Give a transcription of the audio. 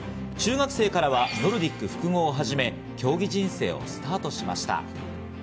中学生からノルディック複合をはじめ、競技人生をスタートしました。